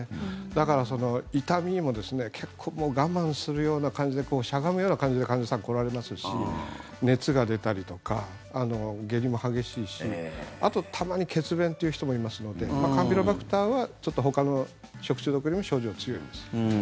だから痛みも結構我慢するような感じでしゃがむような感じで患者さん来られますし熱が出たりとか下痢も激しいしあと、たまに血便という人もいますのでカンピロバクターはちょっとほかの食中毒よりも症状が強いです。